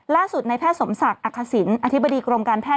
ล่าสุดในแพทย์สมศักดิ์อคศิลป์อธิบดีกรมการแพทย์